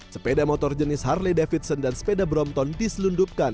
sepeda motor jenis harley davidson dan sepeda brompton diselundupkan